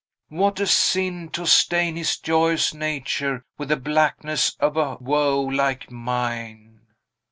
what a sin to stain his joyous nature with the blackness of a woe like mine!"